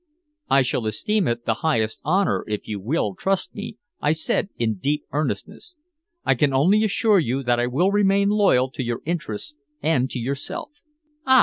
"I shall esteem it the highest honor if you will trust me," I said in deep earnestness. "I can only assure you that I will remain loyal to your interests and to yourself." "Ah!